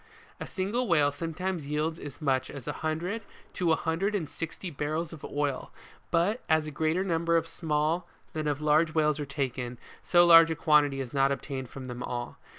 WHALE FISHING. A single whale sometimes yields as much as a hundred to a hundred and sixty barrels of oil, but as a greater number of small, than of large whales are taken, so large a quantity is not obtained from them all.